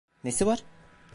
Nesi var?